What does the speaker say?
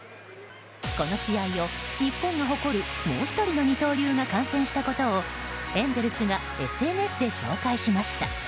この試合を日本が誇るもう１人の二刀流が観戦したことをエンゼルスがＳＮＳで紹介しました。